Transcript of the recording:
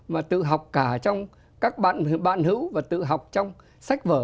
mà tự học cả trong các bạn bạn hữu và tự học trong sách vở